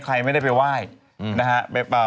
ใครไม่ได้ไปไหว้